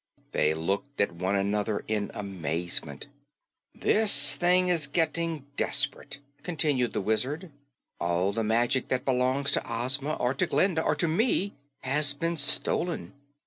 They looked at one another in amazement. "This thing is getting desperate," continued the Wizard. "All the magic that belongs to Ozma or to Glinda or to me has been stolen."